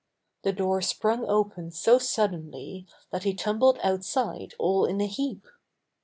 The door sprung open so suddenly that he tumbled outside all in a heap.